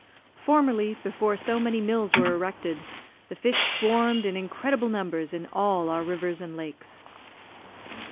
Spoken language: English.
Formerly, before so many mills were erected, the fish swarmed in incredible numbers in all our rivers and lakes.